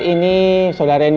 saya ingin bertemu dengan randy